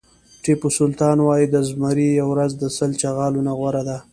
ټيپو سلطان وایي د زمري یوه ورځ د سل چغالو نه غوره ده.